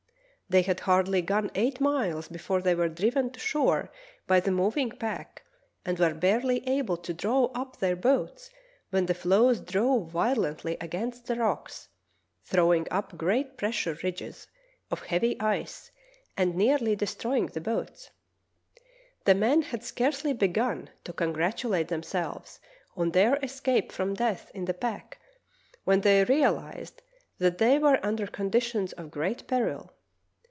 They had hardly gone eight miles before they were driven to shore by the moving pack, and were barely able to draw up their boats when the floes drove violently against the rocks, throwing up great pressure ridges of heavy ice and nearly destroying the boats. The men had scarcely begun to congratulate themselves on their escape from death in the pack when they real ized that they were under conditions of great peril.